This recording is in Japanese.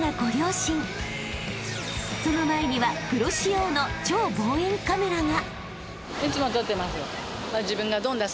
［その前にはプロ仕様の超望遠カメラが］